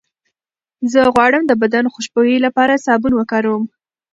زه غواړم د بدن خوشبویۍ لپاره سابون وکاروم.